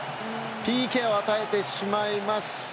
ＰＫを与えてしまいます。